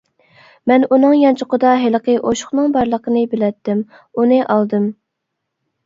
مەن ئۇنىڭ يانچۇقىدا ھېلىقى ئوشۇقنىڭ بارلىقىنى بىلەتتىم، ئۇنى ئالدىم.